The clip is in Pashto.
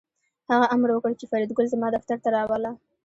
هغه امر وکړ چې فریدګل زما دفتر ته راوله